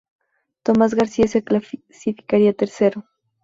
Tomás García se clasificaría tercero.